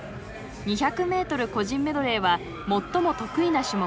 ２００ｍ個人メドレーは最も得意な種目。